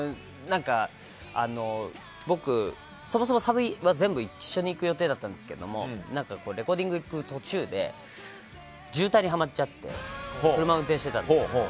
僕、そもそもサビは全部一緒に行く予定だったんですけどレコーディングに行く途中で渋滞にはまっちゃって車、運転していたんですが。